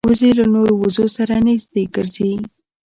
وزې له نورو وزو سره نږدې ګرځي